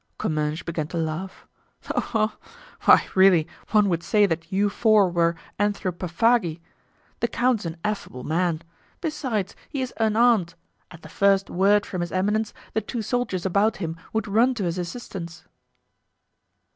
Comminges began to laugh. "Oh, oh! why, really, one would say that you four were anthropaphagi! The count is an affable man; besides, he is unarmed; at the first word from his eminence the two soldiers about him would run to his assistance."